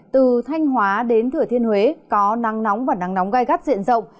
từ thanh hóa đến thừa thiên huế có năng nóng và năng nóng gai gắt diện rộng